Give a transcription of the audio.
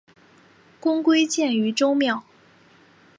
公归荐于周庙。